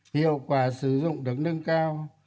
hiệu quả sử dụng được nâng cao